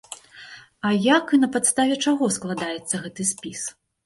А як і на падставе чаго складаецца гэты спіс?